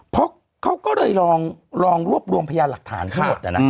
เพราะเขาก็เลยลองรวบรวมพยานหลักฐานทั้งหมด